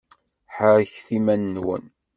Ḥerrket iman-nwen!